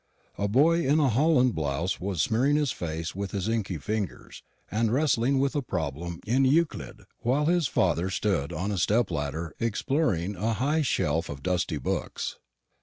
A boy in a holland blouse was smearing his face with his inky fingers, and wrestling with a problem in Euclid, while his father stood on a step ladder exploring a high shelf of dusty books.